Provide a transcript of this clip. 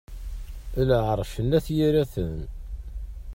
Lɛerc n At yiraten.